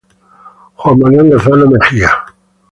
Juan Manuel Lozano Mejía""